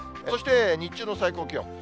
そして、日中の最高気温。